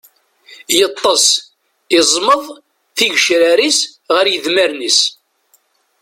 Yeṭṭes, iẓmeḍ-d tigecrar-is ɣer yedmaren-is.